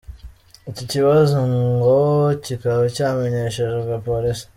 Iki kibazo ngo kikaba cyamenyeshejwe Police.